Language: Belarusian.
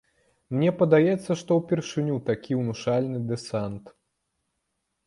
Мне падаецца, што ўпершыню такі ўнушальны дэсант.